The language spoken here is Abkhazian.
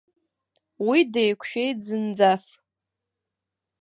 Уи деиқәшәеит зынӡас!